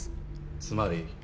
つまり？